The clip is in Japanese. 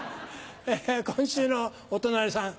今週のお隣さん。